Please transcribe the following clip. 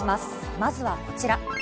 まずはこちら。